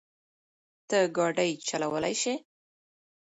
ته ګاډی چلولی شې؟